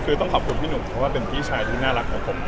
คือต้องขอบคุณพี่หนุ่มเป็นพี่ชายที่น่ารักกว่าผม